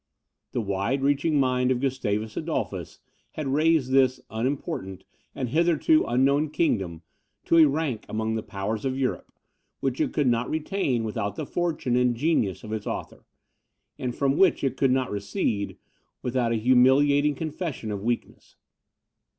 The wide reaching mind of Gustavus Adolphus had raised this unimportant, and hitherto unknown kingdom, to a rank among the powers of Europe, which it could not retain without the fortune and genius of its author, and from which it could not recede, without a humiliating confession of weakness.